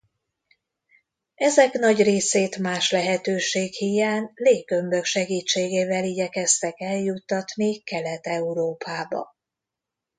Ezek nagy részét más lehetőség híján léggömbök segítségével igyekeztek eljuttatni Kelet-Európába.